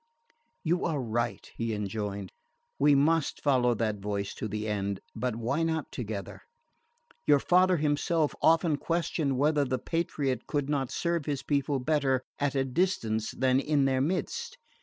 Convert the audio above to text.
"You are right," he rejoined; "we must follow that voice to the end; but why not together? Your father himself often questioned whether the patriot could not serve his people better at a distance than in their midst.